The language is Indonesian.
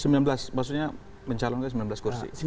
sembilan belas maksudnya mencalonkan sembilan belas kursi